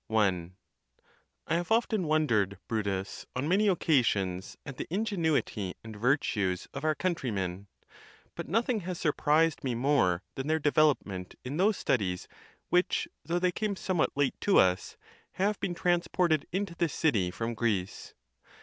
I. I wave often wondered, Brutus, on many occasions, at the ingenuity and virtues of our countrymen; but nothing has surprised me more than their development in those studies, which, though they came somewhat late to us, have been transported into this city from Greece.